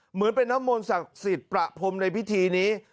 เหมือนเป็นน้ำมนต์ศักดิ์สิทธิ์ประพรมในพิธีนี้